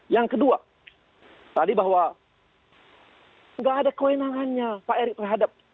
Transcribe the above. yang kedua tadi bahwa nggak ada kewenangannya pak erick terhadap